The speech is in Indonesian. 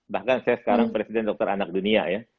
bahkan saya sekarang presiden dokter anak dunia ya